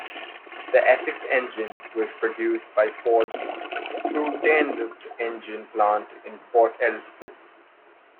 The Essex engine was produced at Ford's Struandale engine plant in Port Elizabeth.